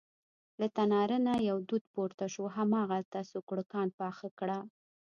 له تناره نه یې دود پورته شو، هماغلته سوکړکان پاخه کړه.